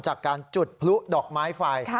จากการจุดพลุดอกไม้ไฟ